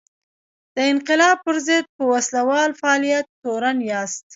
د انقلاب پر ضد په وسله وال فعالیت تورن یاست.